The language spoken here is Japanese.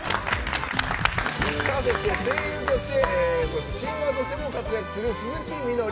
声優としてそしてシンガーとして活躍する鈴木みのり。